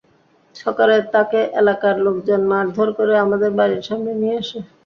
সকালে তাঁকে এলাকার লোকজন মারধর করে আমাদের বাড়ির সামনে নিয়ে আসে।